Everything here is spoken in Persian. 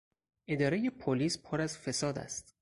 ادارهی پلیس پر از فساد است.